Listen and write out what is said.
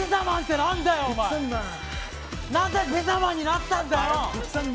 なんでピザマンになったんだよ。